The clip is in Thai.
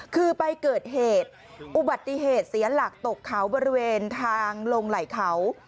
คือไปเกิดเหตุอุบัติเหตุเสียหลักตกเขาบริเวณทางลงไหล่เขา